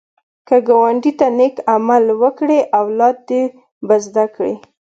که ګاونډي ته نېک عمل وکړې، اولاد دې به زده کړي